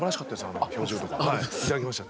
あの表情とかはいいただきました